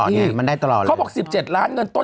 เขาบอก๑๗ล้านเงินต้น